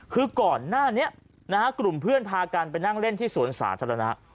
คือก่อนหน้านี้กลุ่มเพื่อนพากันไปนั่งเล่นที่สวนสาธารณะ